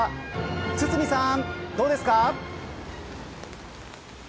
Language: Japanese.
堤さん、どうですか。